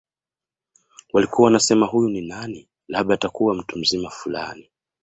Walikuwa wanasema huyu ni nani labda atakuwa mtu mzima fulani